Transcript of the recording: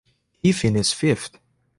He finished fifth.